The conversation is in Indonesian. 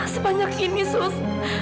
sebanyak ini sus